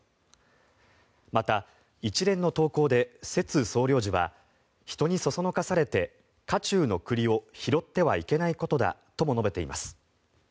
また一連の投稿でセツ総領事は人に唆されて火中の栗を拾ってはいけないことだとも述べています。